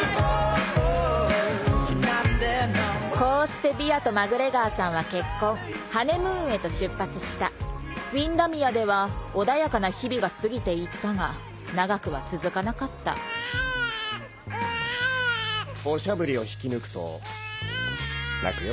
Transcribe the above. こうしてビアとマグレガーさんは結婚ハネムーンへと出発したウィンダミアでは穏やかな日々が過ぎて行ったが長くは続かなかったおしゃぶりを引き抜くと泣くよ。